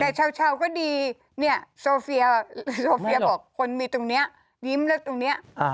แต่เช้าก็ดีเนี่ยโซเฟียโซเฟียบอกคนมีตรงนี้ยิ้มแล้วตรงนี้